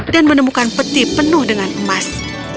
dan menemukan peti penuh dengan emas